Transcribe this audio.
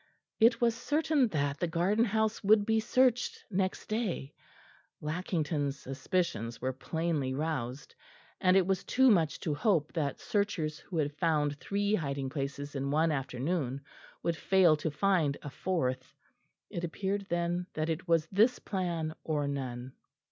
It was certain that the garden house would be searched next day; Lackington's suspicions were plainly roused, and it was too much to hope that searchers who had found three hiding places in one afternoon would fail to find a fourth. It appeared then that it was this plan or none.